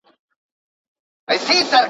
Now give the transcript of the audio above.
دویني ګروپ د بدن، ناروغیو او ژوند لپاره مهم دی.